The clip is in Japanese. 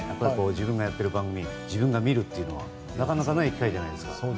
自分がやっている番組を自分が見るというのはなかなかない機会じゃないですか。